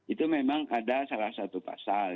itu memang ada salah satu pasal